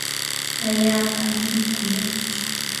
allaapami kuyaa.